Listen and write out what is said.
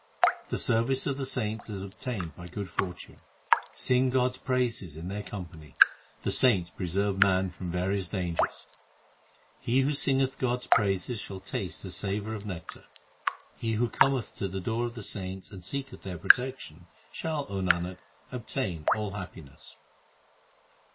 The service of the saints is obtained by good fortune ; Sing God s praises in their company : The saints preserve man from various dangers. He who singeth God s praises shall taste the savour of nectar. He who cometh to the door of the saints and seeketh their protection, Shall, O Nanak, obtain all happiness.